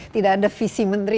tidak ada visi menteri